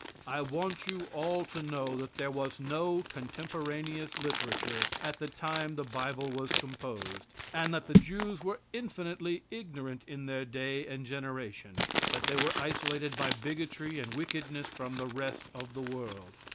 I want you all to know that there was no contemporaneous literature at the time the Bible was composed, and that the Jews were infinitely ignorant in their day and generation that they were isolated by bigotry and wickedness from the rest of the world.